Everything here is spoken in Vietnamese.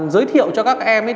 giới thiệu cho các em